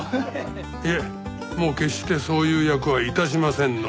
いえもう決してそういう役は致しませんので。